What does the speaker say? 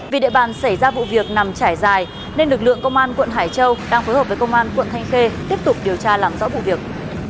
vì địa bàn xảy ra vụ việc nằm trải dài nên lực lượng công an quận hải châu đang phối hợp với công an quận thanh khê tiếp tục điều tra làm rõ vụ việc